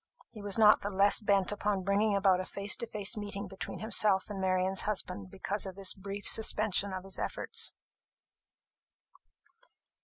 He was not the less bent upon bringing about a face to face meeting between himself and Marian's husband because of this brief suspension of his efforts.